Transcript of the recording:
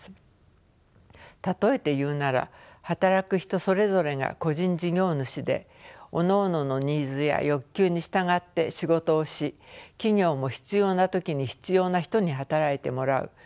例えて言うなら働く人それぞれが個人事業主でおのおののニーズや欲求に従って仕事をし企業も必要な時に必要な人に働いてもらう。